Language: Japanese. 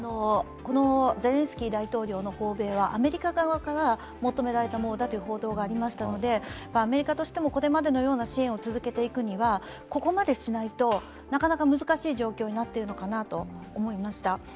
このゼレンスキー大統領の訪米はアメリカ側から求められたという報道がありましたのでアメリカとしても、これまでのような支援を続けていくには、ここまでしないと、なかなか難しい状況になっているのかなと思いました。